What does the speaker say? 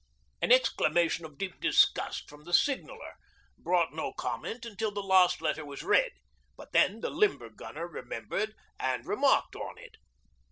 An exclamation of deep disgust from the Signaller brought no comment until the last letter was read, but then the Limber Gunner remembered and remarked on it.